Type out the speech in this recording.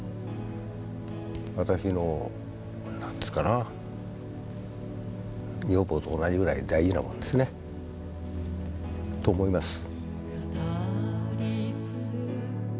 私の何つうかな女房と同じぐらい大事なものですね。と思います。